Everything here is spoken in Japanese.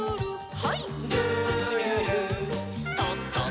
はい。